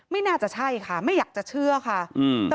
ไม่น่าจะใช่ค่ะไม่อยากจะเชื่อค่ะอืม